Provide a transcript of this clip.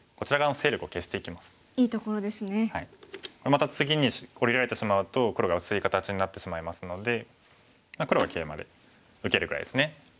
また次に下りられてしまうと黒が薄い形になってしまいますので黒はケイマで受けるぐらいですね。